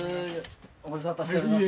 ご無沙汰しております。